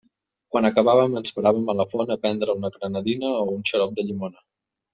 Quan acabàvem, ens paràvem a la font a prendre una granadina o un xarop de llimona.